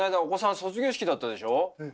お子さん卒業式だったでしょ。